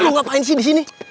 mau ngapain sih di sini